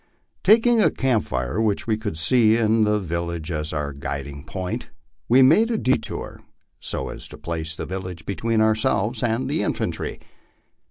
Taking a camp fire which we could see in the village as our guiding point, we made a detour so as to place the village between ourselves and the infantry.